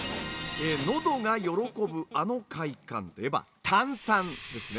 のどが喜ぶあの快感といえば「炭酸」ですね。